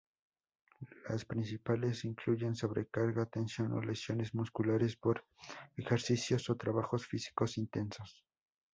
Las principales incluyen sobrecarga, tensión o lesiones musculares por ejercicios o trabajos físicos intensos.